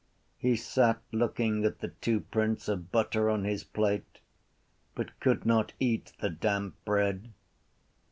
He sat looking at the two prints of butter on his plate but could not eat the damp bread.